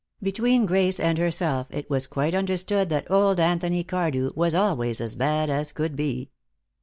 Between Grace and herself it was quite understood that old Anthony Cardew was always as bad as could be.